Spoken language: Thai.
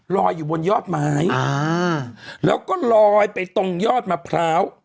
ลอยอยู่บนยอดไม้อ่าแล้วก็ลอยไปตรงยอดมะพร้าว